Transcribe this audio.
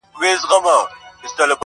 ماته د خپل د زړه آواز راورسيږي